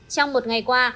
trong một ngày qua